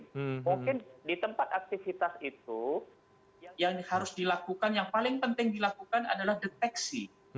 mungkin di tempat aktivitas itu yang harus dilakukan yang paling penting dilakukan adalah deteksi